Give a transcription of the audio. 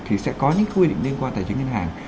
thì sẽ có những quy định liên quan tài chính ngân hàng